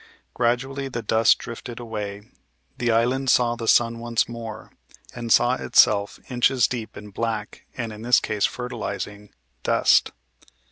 Gradually the dust drifted away; the island saw the sun once more, and saw itself inches deep in black, and in this case fertilizing, dust.